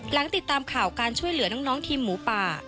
ติดตามข่าวการช่วยเหลือน้องทีมหมูป่า